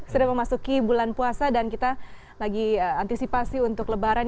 sudah memasuki bulan puasa dan kita lagi antisipasi untuk lebaran